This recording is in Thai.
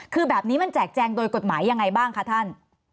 คือแบบนี้มันแจกแจงโดยกฎหมายยังไงบ้างคะท่าน